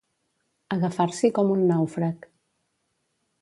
Agafar-s'hi com un nàufrag.